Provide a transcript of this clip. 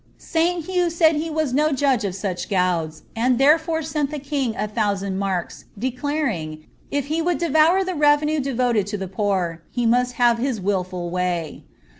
St. Hugh said he was no Judge of such gauds, and thertCM sent the king a thousand marks, declaring, if he would deronr Uu reti nue devoted to the poor, he must have his wilful way.